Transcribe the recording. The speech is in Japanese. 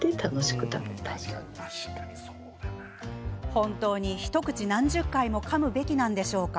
本当に一口、何十回もかむべきなんでしょうか？